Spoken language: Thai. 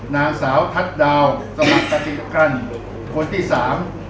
๒นางสาวทัศน์ดาวสมัครกะติกรรม